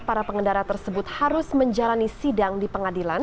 para pengendara tersebut harus menjalani sidang di pengadilan